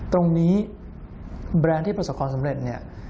ตรงนี้แบรนด์ที่ประสบความสำเร็จเนี่ย